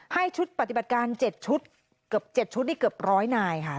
ให้ชุดปฏิบัติการ๗ชุดเกือบ๗ชุดนี่เกือบร้อยนายค่ะ